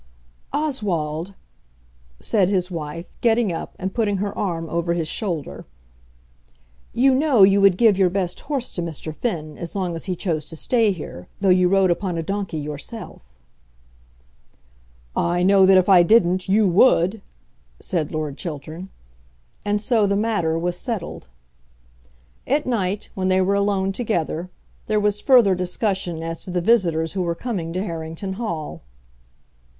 "Oswald," said his wife, getting up, and putting her arm over his shoulder, "you know you would give your best horse to Mr. Finn, as long as he chose to stay here, though you rode upon a donkey yourself." "I know that if I didn't, you would," said Lord Chiltern. And so the matter was settled. At night, when they were alone together, there was further discussion as to the visitors who were coming to Harrington Hall.